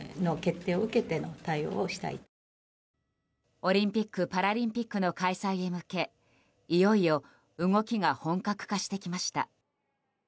オリンピック・パラリンピックの開催へ向けいよいよ動きが本格化してきました。